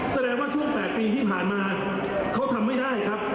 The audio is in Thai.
แสดงว่าช่วง๘ปีที่ผ่านมาเขาทำไม่ได้ครับ